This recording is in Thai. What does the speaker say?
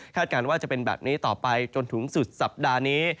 การว่าจะเป็นแบบนี้ต่อไปจนถึงสุดสัปดาห์นี้